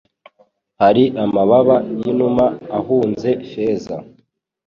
Hari amababa y’inuma ahunze feza